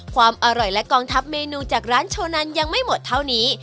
ความอร่อยและกองทัพเมนูจากร้านโชนันยังไม่หมดเท่านี้